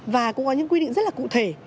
và cũng có những quy định rất là cụ thể